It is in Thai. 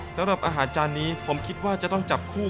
สำหรับอาหารจานนี้ผมคิดว่าจะต้องจับคู่